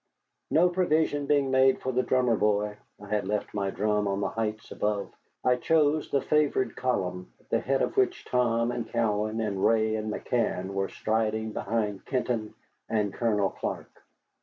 No provision being made for the drummer boy (I had left my drum on the heights above), I chose the favored column, at the head of which Tom and Cowan and Ray and McCann were striding behind Kenton and Colonel Clark.